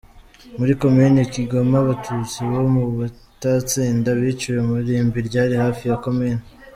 Muri Komini Kigoma, Abatutsi bo mu Butansinda, biciwe mu irimbi ryari hafi ya komini.